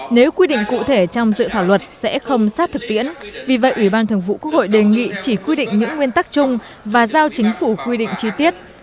nếu quy định cụ thể trong dự thảo luật sẽ không sát thực tiễn vì vậy ủy ban thường vụ quốc hội đề nghị chỉ quy định những nguyên tắc chung và giao chính phủ quy định chi tiết